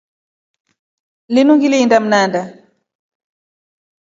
Linu ngilinda Mndana.